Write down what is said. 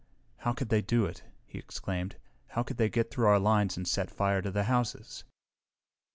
"How could they do it?" Ken exclaimed. "How could they get through our lines and set fire to the houses?"